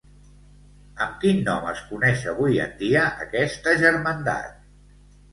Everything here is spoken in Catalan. Amb quin nom es coneix avui en dia aquesta germandat?